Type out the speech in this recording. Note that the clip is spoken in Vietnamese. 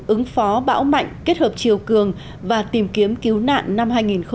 ứng phó bão mạnh kết hợp chiều cường và tìm kiếm cứu nạn năm hai nghìn một mươi bảy